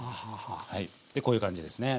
でこういう感じですね。